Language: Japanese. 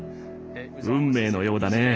運命のようだね。